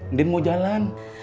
ndin mau jalan